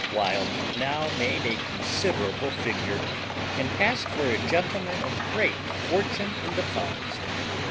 Wild now made a considerable figure, and passed for a gentleman of great fortune in the funds.